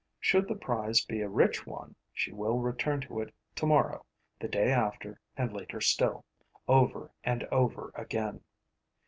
Should the prize be a rich one, she will return to it tomorrow, the day after and later still, over and over again.